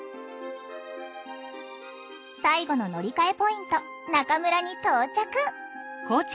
最後の乗り換えポイント中村に到着。